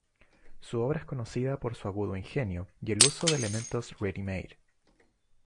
Su obra es conocida por su agudo ingenio y el uso de elementos ready-made.